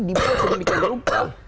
dibawa ke demikian berupa